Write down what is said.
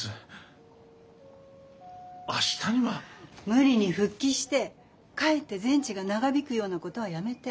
無理に復帰してかえって全治が長引くようなことはやめて。